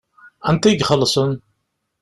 Anta i ixelṣen?